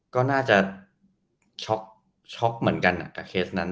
ก็น่าจะช็อกช็อกเหมือนกันกับเคสนั้น